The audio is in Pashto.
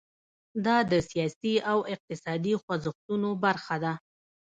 دا د سیاسي او اقتصادي خوځښتونو برخه ده.